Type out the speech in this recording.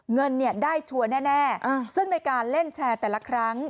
เงินได้ชัวร์แน่ซึ่งในการเล่นแชร์แต่ละครั้ง